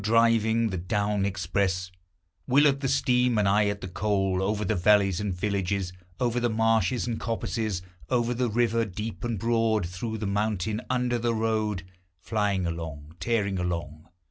We were driving the down express; Will at the steam, and I at the coal; Over the valleys and villages, Over the marshes and coppices, Over the river, deep and broad; Through the mountain, under the road, Flying along, Tearing along.